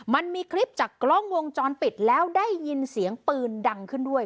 มันมีคลิปจากกล้องวงจรปิดแล้วได้ยินเสียงปืนดังขึ้นด้วย